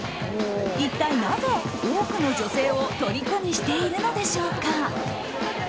一体なぜ、多くの女性をとりこにしているのでしょうか。